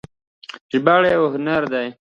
ژباړه یو هنر دی